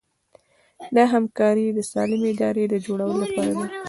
دا همکاري د سالمې ادارې د جوړولو لپاره ده.